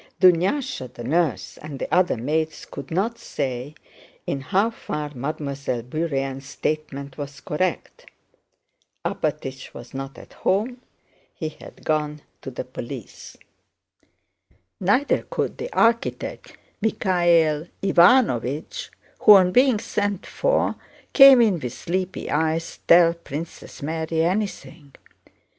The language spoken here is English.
Dunyásha, the nurse, and the other maids could not say in how far Mademoiselle Bourienne's statement was correct. Alpátych was not at home, he had gone to the police. Neither could the architect Michael Ivánovich, who on being sent for came in with sleepy eyes, tell Princess Mary anything.